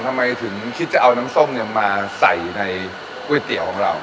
ทำไมถึงคิดจะเอาน้ำส้มเนี่ยมาใส่อยู่ในก๋วยเตี๋ยวของเรา